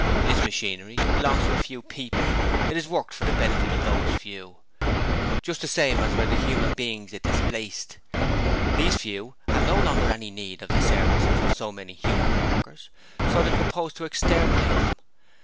This machinery belongs to a few people: it is worked for the benefit of those few, just the same as were the human beings it displaced. These Few have no longer any need of the services of so many human workers, so they propose to exterminate them!